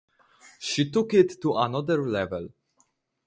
She took it to another level.